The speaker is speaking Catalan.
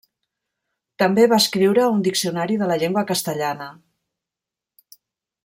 També va escriure un diccionari de la llengua castellana.